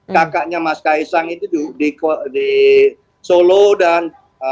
kakaknya mas kaisang itu di solo dan